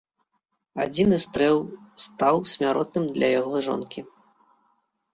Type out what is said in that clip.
Адзіны стрэл стаў смяротным для яго жонкі.